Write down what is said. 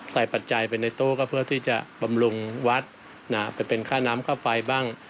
ปัจจัยไปในตู้ก็เพื่อที่จะบำรุงวัดไปเป็นค่าน้ำค่าไฟบ้าง